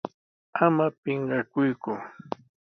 ¡Ama pinqakuyku!